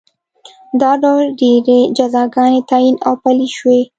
دا ډول ډېرې جزاګانې تعین او پلې شوې.